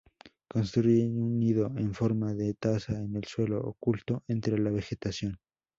Construyen un nido en forma de taza en el suelo, oculto entre la vegetación.